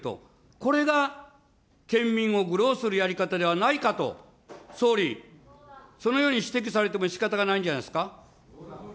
これが県民を愚弄するやり方ではないかと、総理、そのように指摘されてもしかたがないんじゃないですか。